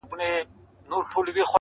که دا دنیا او که د هغي دنیا حال ته ګورم.